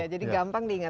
jadi gampang diingat